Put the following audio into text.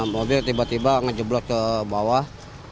mobil tiba tiba ngejeblot ke bawah